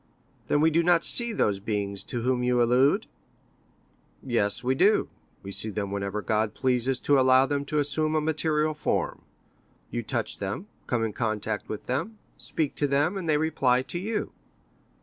"Then we do not see those beings to whom you allude?" "Yes, we do; you see them whenever God pleases to allow them to assume a material form. You touch them, come in contact with them, speak to them, and they reply to you."